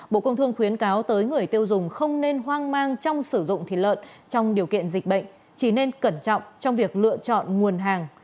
bộ công thương khuyến cáo tới người tiêu dùng không nên hoang mang trong sử dụng thịt lợn trong điều kiện dịch bệnh chỉ nên cẩn trọng trong việc lựa chọn nguồn hàng